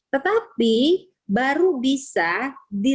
tetapi baru bisa dilakukan